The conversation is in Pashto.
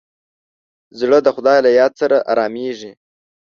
زړه د خدای له یاد سره ارامېږي.